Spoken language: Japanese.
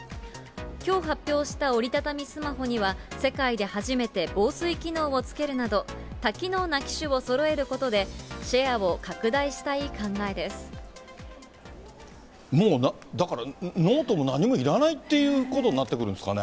きょう発表した折り畳みスマホには世界で初めて防水機能をつけるなど、多機能な機種をそろえることで、もうだから、ノートも何もいらないっていうことになってくるんですかね。